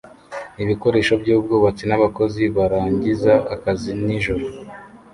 Ibikoresho byubwubatsi n'abakozi barangiza akazi nijoro